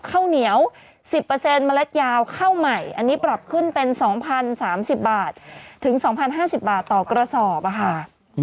ข้าวเหนียว๑๐เมล็ดยาวข้าวใหม่อันนี้ปรับขึ้นเป็น๒๐๓๐บาทถึง๒๐๕๐บาทต่อกระสอบค่ะ